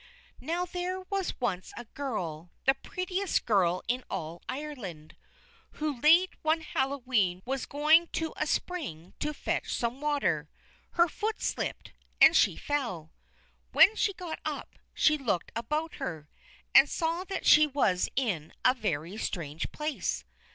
Now, there was once a girl, the prettiest girl in all Ireland, who late one Hallowe'en was going to a spring to fetch some water. Her foot slipped, and she fell. When she got up, she looked about her, and saw that she was in a very strange place.